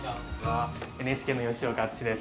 ＮＨＫの吉岡篤史です。